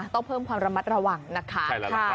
ต้องเพิ่มความระมัดระวังนะคะ